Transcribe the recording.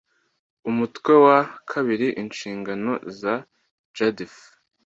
umutwe wa ii inshingano za jadf